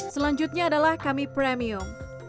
selanjutnya adalah kami premium